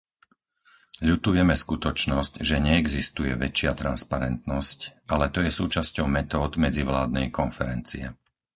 Ľutujeme skutočnosť, že neexistuje väčšia transparentnosť, ale to je súčasťou metód medzivládnej konferencie.